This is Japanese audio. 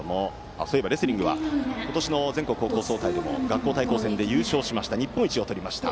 そういえば、レスリングは今年の全国高校総体でも学校対抗戦で優勝し日本一をとりました。